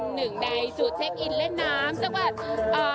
หนึ่งในสูตรเช็คอินเล่นน้ำจังหวัดอ่า